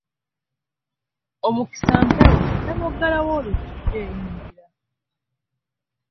Omukisa mpewo, ne bw'oggalawo oluggi yo eyingira.